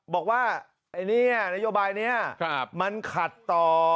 บอกว่านโยบายเนี่ยมันขัดต่อ